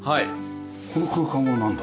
この空間はなんだ？